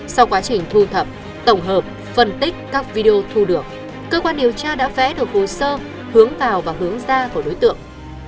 sau quá trình thu thập tổng hợp phân tích các video thu được cơ quan điều tra đã vẽ được hồ sơ hướng vào và hướng ra của đối tượng